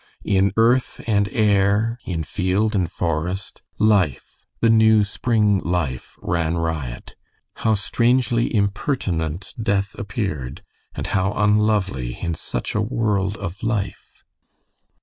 In earth and air, in field and forest, life, the new spring life, ran riot. How strangely impertinent death appeared, and how unlovely in such a world of life!